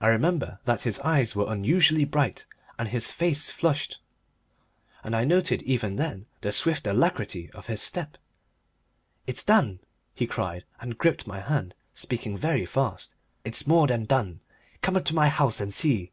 I remember that his eyes were unusually bright and his face flushed, and I noted even then the swift alacrity of his step. "It's done," he cried, and gripped my hand, speaking very fast; "it's more than done. Come up to my house and see."